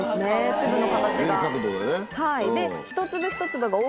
粒の形が。